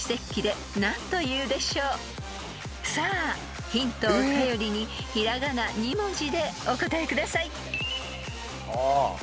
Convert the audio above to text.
［さあヒントを頼りに平仮名２文字でお答えください］